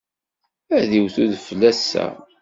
Ad d-iwet udfel ass-a.